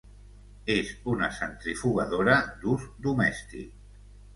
És una centrifugadora d'ús domèstic.